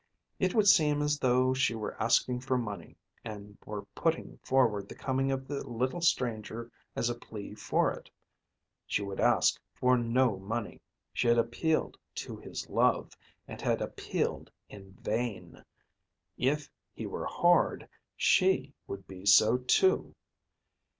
It would seem as though she were asking for money, and were putting forward the coming of the little stranger as a plea for it. She would ask for no money. She had appealed to his love, and had appealed in vain. If he were hard, she would be so too.